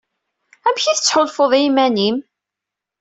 Amek i tettḥulfuḍ i yiman-im?